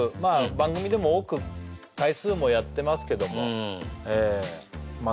番組でも多く回数もやってますけどもええまあ